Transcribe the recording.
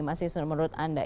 apa sih menurut anda